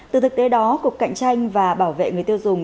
từ thực tế đó cục cạnh tranh và bảo vệ người tiêu dùng